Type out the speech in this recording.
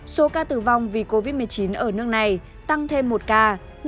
số ca tử vong vì covid một mươi chín ở nước này tăng thêm một bảy triệu